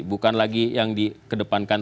bukan lagi yang di kedepankan